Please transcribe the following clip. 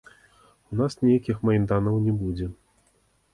У нас ніякіх майданаў не будзе.